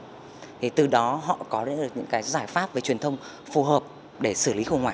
thì từ đó họ có những cái giải pháp về truyền thông phù hợp để xử lý khu ngoại